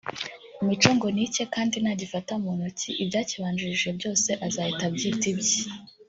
Mico ngo ni icye kandi nagifata mu ntoki ibyakibanjirije byose azahita abyita ibye